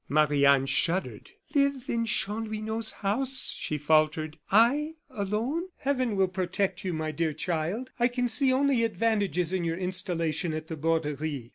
Marie Anne shuddered. "Live in Chanlouineau's house," she faltered. "I alone!" "Heaven will protect you, my dear child. I can see only advantages in your installation at the Borderie.